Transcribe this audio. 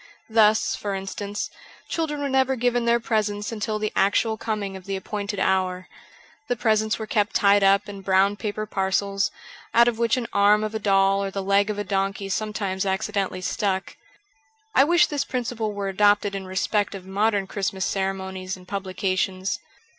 Thus, for instance, children were never given their presents until the actual coming of the appointed hour. Jhe presents were kept tied up in brown paper parcels, out of which an arm of a doll or the leg of a donkey sometimes accidentally stuck. I wish this principle were adopted in respect of modern Christmas ceremonies and publications.